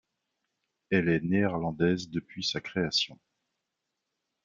Elle est néerlandaise depuis sa création.